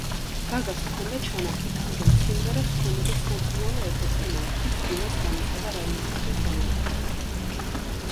გაგას ჰქონდა ჩანაფიქრი, რომ სიმღერას ჰქონოდა სამკურნალო ეფექტი მათთვის ვინაც განიცადა რაიმე სახის დანაკარგი.